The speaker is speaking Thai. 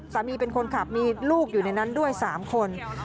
เป็นคนขับมีลูกอยู่ในนั้นด้วย๓คน